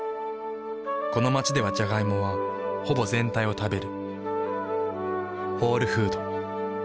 この街ではジャガイモはほぼ全体を食べる。